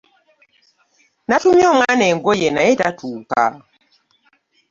Natumye omwaana engoye naye tatuuka